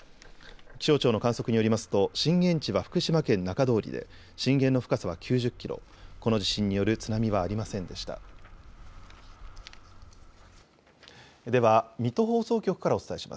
気象庁の観測によりますと震源地は福島県中通りで震源の深さは９０キロ、この地震による津波はありませんでした。